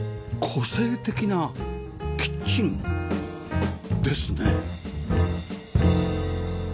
個性的なキッチンですね！